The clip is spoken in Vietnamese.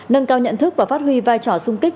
nâng cao nhận thức và phát huy vai trò sung kích